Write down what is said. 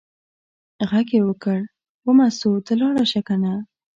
غږ یې وکړ: وه مستو ته لاړه شه کنه.